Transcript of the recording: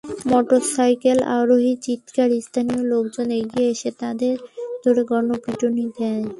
Motorcycle আরোহীর চিৎকারে স্থানীয় লোকজন এগিয়ে এসে তাঁদের ধরে গণপিটুনি দেয়।